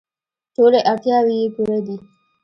ټولې اړتیاوې یې پوره دي.